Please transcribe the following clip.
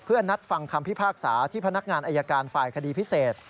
เพื่อนัดฟังคำพิพากษาที่พนักงานอายการฝ่ายคดีพิเศษ